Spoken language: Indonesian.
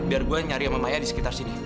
biar gue nyari sama maya di sekitar sini